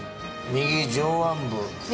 右上腕部。